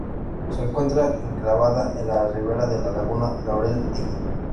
Se encuentra enclavada en la ribera de la laguna Laurel Ty.